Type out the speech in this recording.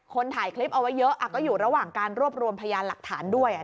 ถ่ายคลิปเอาไว้เยอะก็อยู่ระหว่างการรวบรวมพยานหลักฐานด้วย